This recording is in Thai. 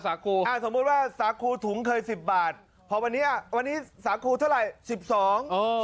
สาคูสาคูถุงเคย๑๐บาทพอวันนี้สาคูเท่าไหร่๑๒บาท